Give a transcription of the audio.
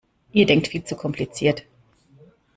Ihr denkt viel zu kompliziert!